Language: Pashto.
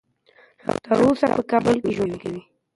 تر اوسه په کابل کې ژوند کوي.